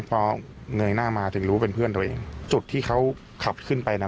พอเงยหน้ามาถึงรู้เป็นเพื่อนตัวเองจุดที่เขาขับขึ้นไปน่ะ